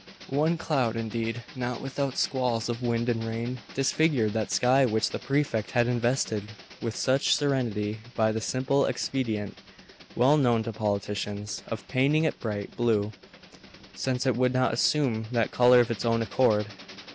One cloud, indeed, not without squalls of wind and rain, disfigured that sky which the Prefect had invested with such serenity by the simple expedient, well known to politicians, of painting it bright blue, since it would not assume that colour of its own accord.